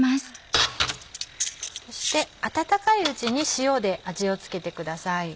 そして温かいうちに塩で味を付けてください。